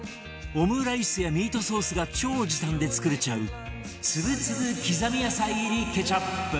オムライスやミートソースが超時短で作れちゃうつぶつぶ刻み野菜入りケチャップ